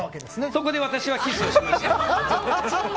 そこで私はキスをしました。